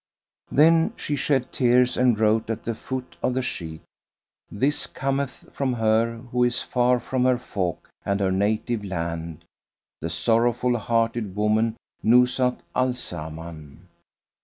Then she shed tears and wrote at the foot of the sheet, "This cometh from her who is far from her folk and her native land, the sorrowful hearted woman Nuzhat al Zaman."